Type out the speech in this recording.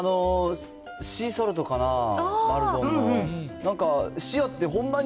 シーソルトかな、マルドンの。